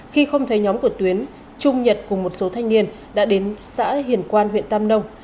khi không thấy nhóm của tuyến trung nhật cùng một số thanh niên đã đến xã hiền quan huyện tam nông